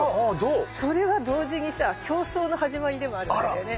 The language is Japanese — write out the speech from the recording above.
それは同時にさ競争の始まりでもあるわけだよね。